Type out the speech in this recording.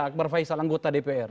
akbar faisal anggota dpr